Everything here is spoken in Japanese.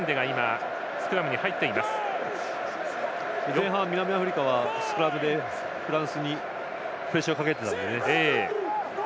前半、南アフリカはスクラムでフランスにプレッシャーをかけていたので。